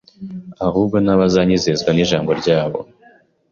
ahubwo “n’abazanyizezwa n’ijambo ryabo.